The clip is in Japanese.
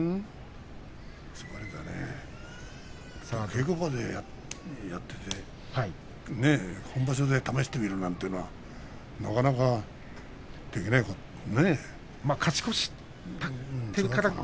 稽古場でやっていて本場所で試してみるというのはなかなかできないからね。